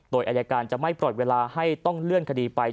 โดยอายการจะไม่ปล่อยเวลาให้ต้องเลื่อนคดีไป